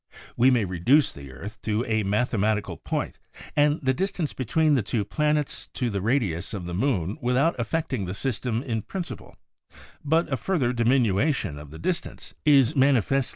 We may reduce the earth to a mathematical point and the distance between the two planets to the radius of the moon without affecting the system in principle, but a further diminution of the distance is mani (Cont.